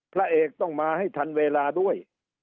พระเอกต้องมาให้ทันเวลาด้วย